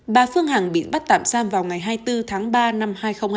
bà phương hằng bị bắt tạm giam vào ngày hai mươi bốn tháng ba năm hai nghìn hai mươi